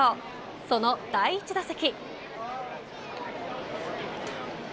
その第１打席。